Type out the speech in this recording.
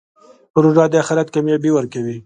روژه د آخرت کامیابي ورکوي.